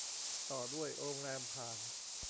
ต่อด้วยโรงแรมผ่าน